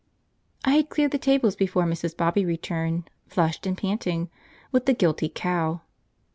I had cleared the tables before Mrs. Bobby returned, flushed and panting, with the guilty cow.